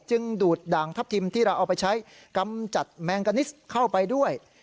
ดูดด่างทัพทิมที่เราเอาไปใช้กำจัดแมงกานิสเข้าไปด้วย